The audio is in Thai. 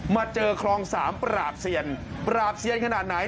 มาเจอคลองสามปราบเซียนปราบเซียนขนาดไหน